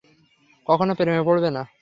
কখনো প্রেমে পড়বে না।